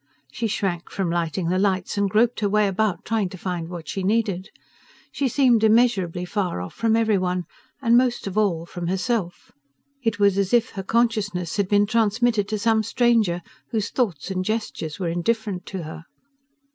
She shrank from lighting the lights, and groped her way about, trying to find what she needed. She seemed immeasurably far off from every one, and most of all from herself. It was as if her consciousness had been transmitted to some stranger whose thoughts and gestures were indifferent to her...